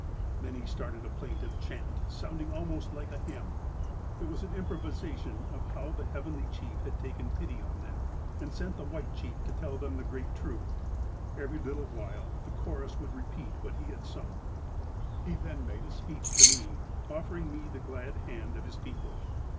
''Then he started a plaintive chant, sounding almost like a hymn. It was an improvisation of how the Heavenly Chief had taken pity on them, and sent the white chief to tell them the great truth. Every little while, the chorus would repeat what he had sung. ''He then made a speech to me, offering me the glad hand of his people.